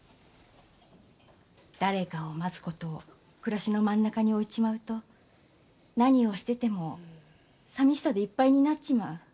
誰かを待つことを暮らしの真ん中に置いちまうと何をしてても、さみしさでいっぱいになっちまう。